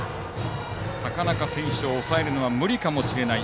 高中選手を抑えるのは無理かもしれない。